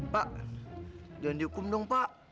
pak jangan dihukum dong pak